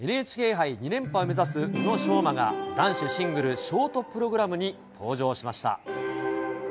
ＮＨＫ杯２連覇を目指す宇野昌磨が、男子シングルショートプログラムに登場しました。